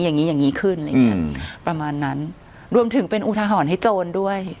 อย่างงี้อย่างงี้ขึ้นอะไรอย่างเงี้ยอืมประมาณนั้นรวมถึงเป็นอุทหรณ์ให้โจรด้วย